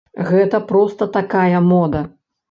Гэта проста такая мода.